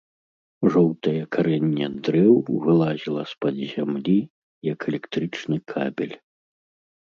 Жоўтае карэнне дрэў вылазіла з-пад зямлі, як электрычны кабель.